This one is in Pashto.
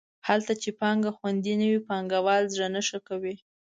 هلته چې پانګه خوندي نه وي پانګوال زړه نه ښه کوي.